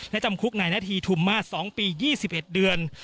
และจำคุกนายนาธีทุมมาส๒ปี๒๑เดือน